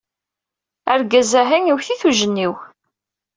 Argaz-ahi iwet-it ujenniw!